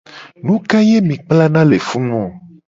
Nu ke ye mi kplana le funu o?